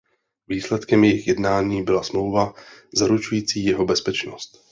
Výsledkem jejich jednání byla smlouva zaručující jeho bezpečnost.